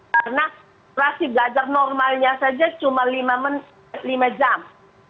karena kurasi belajar normalnya saja cuma lima jam